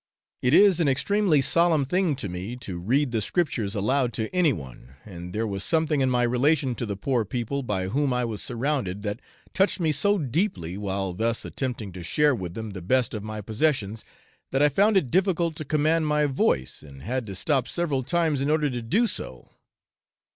It is an extremely solemn thing to me to read the Scriptures aloud to any one, and there was something in my relation to the poor people by whom I was surrounded that touched me so deeply while thus attempting to share with them the best of my possessions, that I found it difficult to command my voice, and had to stop several times in order to do so.